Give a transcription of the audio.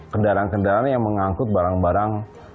kendaraan kendaraan yang mengangkut barang barang